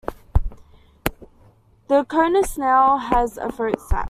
The conus snail has a throat sac.